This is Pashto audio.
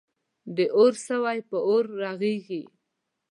د اور سوی په اور رغیږی.